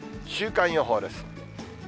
週間予報です。